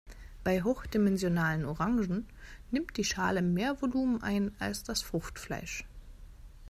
Bei hochdimensionalen Orangen nimmt die Schale mehr Volumen ein als das Fruchtfleisch.